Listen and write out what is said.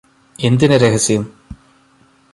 എന്തിന് രഹസ്യം